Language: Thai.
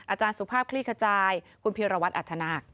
อาจารย์สุภาพคลี่ขจายคุณพีรวัตรอัธนาค